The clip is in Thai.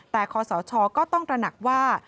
แต่คอสชก็ต้องตระหนักว่า